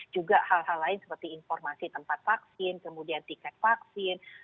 juga hal hal lain seperti informasi tempat vaksin kemudian tiket vaksin